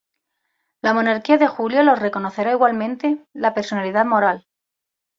La Monarquía de Julio los reconocerá igualmente la personalidad moral.